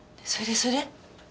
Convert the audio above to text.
それでそれで？